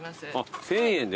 １，０００円で。